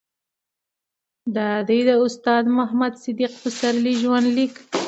دا دي د استاد محمد صديق پسرلي ژوند ليک